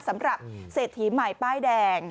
สำหรับเศรษฐีใหม่ป้ายแดง